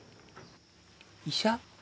医者？